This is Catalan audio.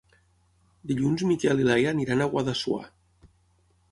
Dilluns en Miquel i na Laia aniran a Guadassuar.